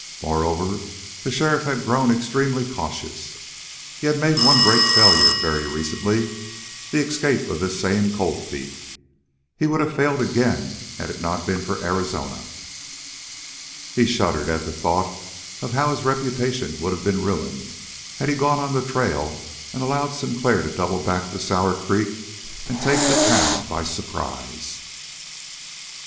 Moreover the sheriff had grown extremely cautious. He had made one great failure very recently the escape of this same Cold Feet. He would have failed again had it not been for Arizona. He shuddered at the thought of how his reputation would have been ruined had he gone on the trail and allowed Sinclair to double back to Sour Creek and take the town by surprise.